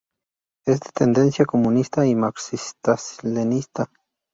Es de tendencia comunista y marxista-leninista.